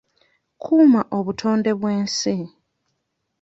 Kuuma obutonde bw'ensi.